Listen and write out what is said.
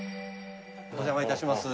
お邪魔いたします。